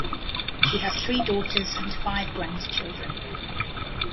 She has three daughters and five grandchildren.